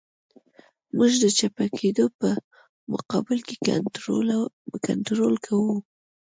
موږ د چپه کېدو په مقابل کې کنټرول کوو